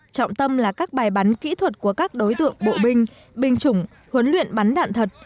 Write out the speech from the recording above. trọng tâm là các bài bắn kỹ thuật của các đối tượng bộ binh binh chủng huấn luyện bắn đạn thật